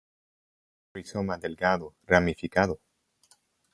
Con rizoma delgado, ramificado.